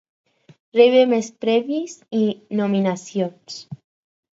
Rebé més premis i nominacions.